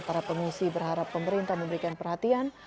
para pengungsi berharap pemerintah memberikan perhatian